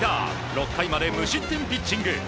６回まで無失点ピッチング。